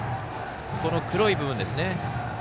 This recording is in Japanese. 黒い部分ですね。